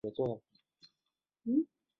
林翰生于清朝光绪四年。